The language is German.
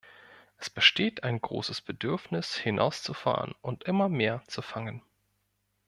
Es besteht ein großes Bedürfnis, hinauszufahren und immer mehr zu fangen.